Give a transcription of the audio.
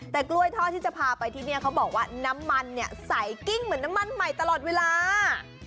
แต่กล้วยทอดที่จะพาไปที่นี่เขาบอกว่าน้ำมันเนี่ยใส่กิ้งเหมือนน้ำมันใหม่ตลอดเวลา